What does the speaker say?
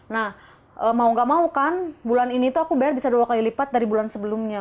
nah mau gak mau kan bulan ini tuh aku bayar bisa dua kali lipat dari bulan sebelumnya